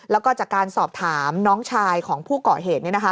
แล้วก็จากการสอบถามน้องชายของผู้เกาะเหตุ